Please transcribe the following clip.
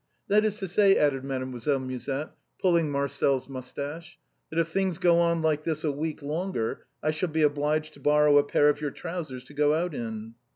" That is to say," added JIademoiselle Musette, pulling Marcel's moustache, " that if things go on like this a week longer I shall be obliged to borrow a pair of your trousers to go out in."